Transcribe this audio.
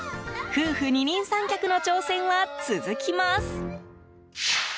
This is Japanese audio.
夫婦二人三脚の挑戦は続きます。